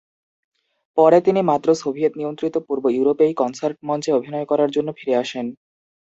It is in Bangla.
পরে তিনি মাত্র সোভিয়েত-নিয়ন্ত্রিত পূর্ব ইউরোপেই কনসার্ট মঞ্চে অভিনয় করার জন্য ফিরে আসেন।